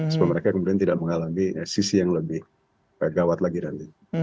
supaya mereka kemudian tidak mengalami sisi yang lebih gawat lagi nanti